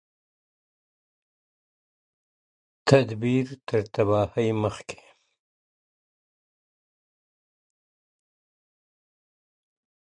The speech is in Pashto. تدبیر تر تباهۍ مخکي -